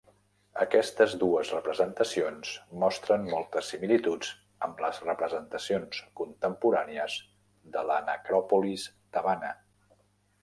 Aquestes dues representacions mostren moltes similituds amb les representacions contemporànies de la necròpolis tebana.